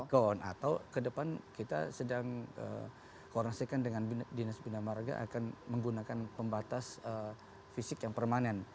kone atau ke depan kita sedang koreksikan dengan dinas bindamarga akan menggunakan pembatas fisik yang permanen